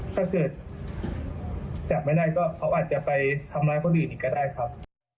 ถ้าเกิดจับไม่ได้ก็เขาอาจจะไปทำร้ายคนอื่นอีกก็ได้ครับ